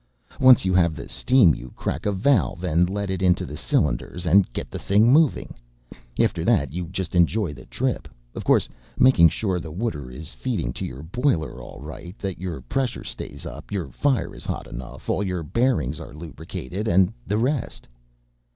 "Once you have the steam you crack a valve to let it into the cylinders and get the thing moving. After that you just enjoy the trip, of course making sure the water is feeding to your boiler all right, that your pressure stays up, your fire is hot enough, all your bearings are lubricated and the rest...."